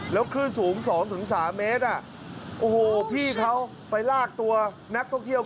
แล้วคลื่นสูง๒๓เมตรโอ้โหพี่เขาไปลากตัวนักท่องเที่ยว